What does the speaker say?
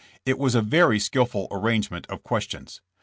It was a very skillful arrangement of questions.